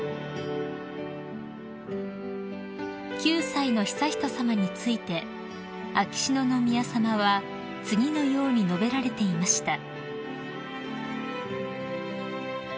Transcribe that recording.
［９歳の悠仁さまについて秋篠宮さまは次のように述べられていました］